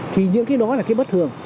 thì những cái đó là cái bất thường